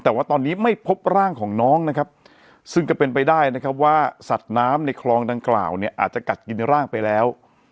แต่ว่าตอนนี้ไม่พบร่างของน้องนะครับซึ่งก็เป็นไปได้นะครับว่าสัตว์น้ำในคลองดังกล่าวเนี่ยอาจจะกัดกินร่างไปแล้ว